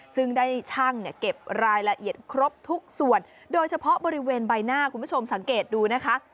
ซึ่งได้ช่างเนี่ยเก็บรายละเอียดครบทุกส่วนโดยเฉพาะบริเวณใบหน้าคุณผู้ชมสังเกตดูนะคะ